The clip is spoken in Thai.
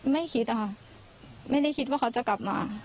ไม่คิดอะค่ะไม่ได้คิดว่าเขาจะกลับมา